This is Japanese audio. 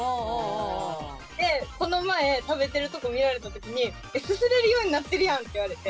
でこの前食べてるところ見られた時に「すすれるようになってるやん」って言われて。